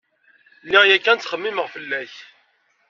Lliɣ yakan ttxemmimeɣ fell-ak.